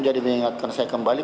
jadi mengingatkan saya kembali